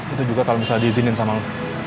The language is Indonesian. itu juga kalau misalnya diizinin sama